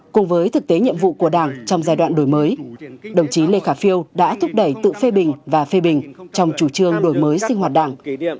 cùng với thực tế nhiệm vụ của đảng trong giai đoạn đổi mới đồng chí lê khả phiêu đã thúc đẩy tự phê bình và phê bình trong chủ trương đổi mới sinh hoạt đảng